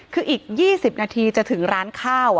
คืออีก๒๐นาทีจะถึงร้านข้าว